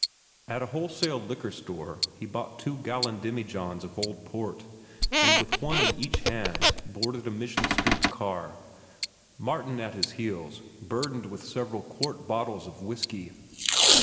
At a wholesale liquor store he bought two gallon demijohns of old port, and with one in each hand boarded a Mission Street car, Martin at his heels burdened with several quart bottles of whiskey.